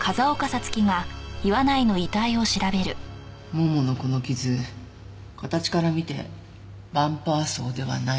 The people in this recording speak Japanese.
もものこの傷形から見てバンパー創ではないね。